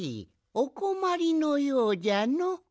おこまりのようじゃの。